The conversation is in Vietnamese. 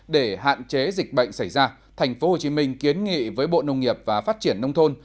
để hạn chế dịch bệnh xảy ra tp hcm kiến nghị với bộ nông nghiệp và phát triển nông thôn